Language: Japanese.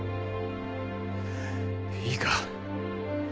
いいか？